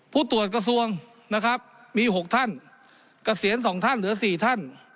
ผู้ตรวจกระทรวงนะครับมี๖ท่านเกษียณ๒ท่านเหลือ๔ท่าน